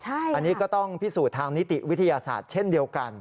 อันนี้ก็ต้องพิสูจน์ทางนิติวิทยาศาสตร์เช่นเดียวกัน